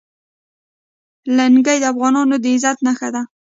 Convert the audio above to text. لنګۍ د افغانانو د عزت نښه ده.